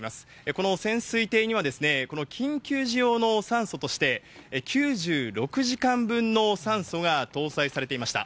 この潜水艇には、この緊急時用の酸素として、９６時間分の酸素が搭載されていました。